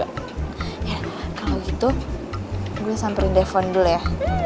ya kalo gitu gue samperin defon dulu ya